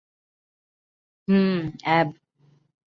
হুম, অ্যাব।